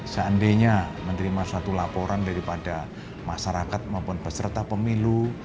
seandainya menerima suatu laporan daripada masyarakat maupun peserta pemilu